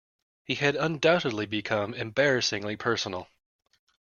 He had undoubtedly become embarrassingly personal.